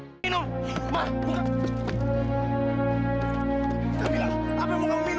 sampai jumpa di video selanjutnya